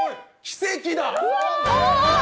奇跡だ！